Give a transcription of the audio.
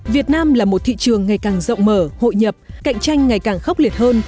việt nam là một thị trường ngày càng rộng mở hội nhập cạnh tranh ngày càng khốc liệt hơn